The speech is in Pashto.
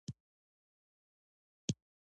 د محکمې فساد باور له منځه وړي.